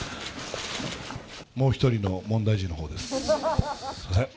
もう１人の問題児のほうです。